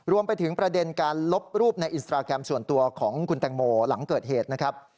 รวมไปถึงประเด็นการลบรูปในอินสตราแกรมส่วนตัวของคุณแตงโมหลังเกิดเหตุนะครับ